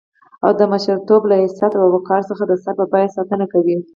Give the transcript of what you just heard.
او د مشرتوب له حيثيت او وقار څخه د سر په بيه ساتنه کوي.